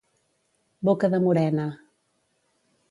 Boca de morena.